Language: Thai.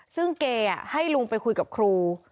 ซึ่งเกย์ให้ลุงไปคุยกับครู